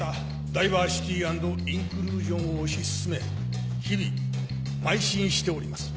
ダイバーシティ＆インクルージョンを推し進め日々邁進しております。